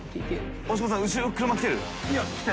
大島さん後ろ車来てる？